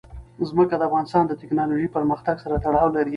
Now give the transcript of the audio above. ځمکه د افغانستان د تکنالوژۍ پرمختګ سره تړاو لري.